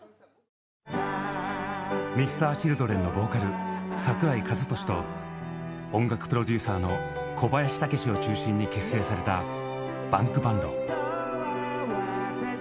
Ｍｒ．Ｃｈｉｌｄｒｅｎのボーカル櫻井和寿と音楽プロデューサーの小林武史を中心に結成されたＢａｎｋＢａｎｄ。